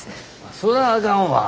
そらあかんわ。